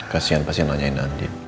kasian kasian nanyain andi